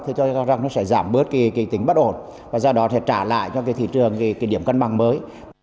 tôi cho rằng nó sẽ giảm bớt cái tính bất ổn và do đó sẽ trả lại cho cái thị trường cái điểm cân bằng mới